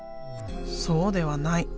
そうではない。